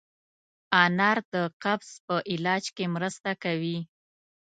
انار د قبض په علاج کې مرسته کوي.